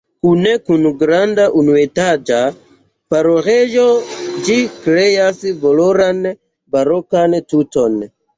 Kune kun granda unuetaĝa paroĥejo ĝi kreas valoran barokan tuton.